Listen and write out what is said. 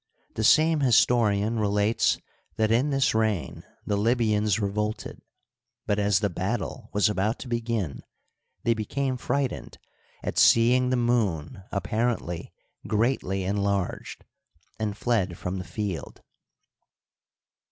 The same historian relates that in this reign the Lybians revolted; but, as the battle was about, to beg^n, they became frightened at seeing the moon apparently greatly enlarged, and fled from the field.